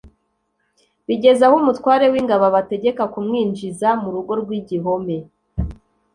bigeza aho umutware w’ingabo abategeka kumwinjiza mu rugo rw’igihome